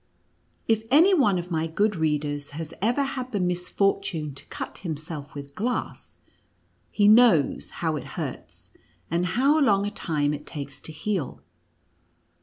If any one of my good readers has ever had the misfortune to cut himself with glass, he knows how it hurts, and how long a time it takes to heal.